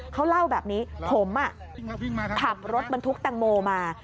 เขาเล่าแบบนี้ผมขับรถบรรทุกแตงโมมา